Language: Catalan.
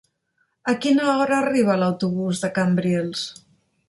A quina hora arriba l'autobús de Cambrils?